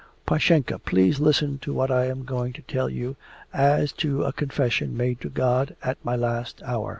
'Pashenka, please listen to what I am going to tell you as to a confession made to God at my last hour.